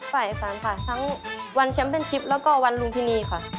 ไฟฟันค่ะทั้งวันแชมเปญชิปแล้วก็วันลุงพินีค่ะ